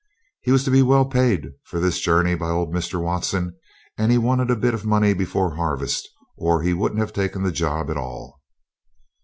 He was to be well paid for this journey by old Mr. Watson, and he wanted a bit of money before harvest or he wouldn't have taken the job at all.